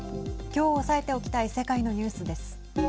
きょう押さえておきたい世界のニュースです。